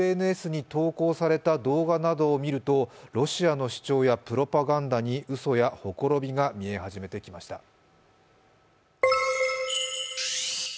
ＳＮＳに投稿された動画などを見るとロシアの主張やプロパガンダにうそやほころびが見え始めてきました。